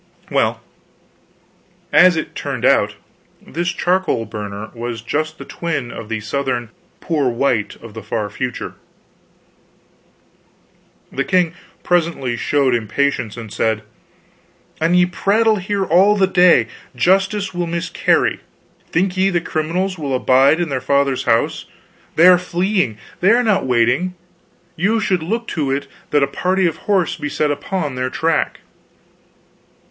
Well, as it turned out, this charcoal burner was just the twin of the Southern "poor white" of the far future. The king presently showed impatience, and said: "An ye prattle here all the day, justice will miscarry. Think ye the criminals will abide in their father's house? They are fleeing, they are not waiting. You should look to it that a party of horse be set upon their track."